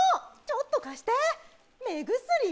ちょっと貸して！